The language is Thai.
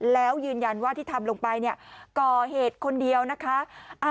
แล้วยืนยันว่าที่ทำลงไปเนี่ยก่อเหตุคนเดียวนะคะ